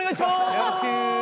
よろしく。